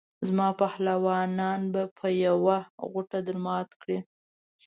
زما پهلوانان به په یوه غوټه درمات کړي.